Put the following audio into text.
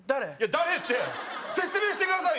誰って説明してくださいよ